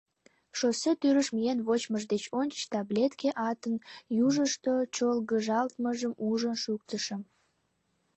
Шоссе тӱрыш миен вочмыж деч ончыч таблетке атын южышто чолгыжалтмыжым ужын шуктышым.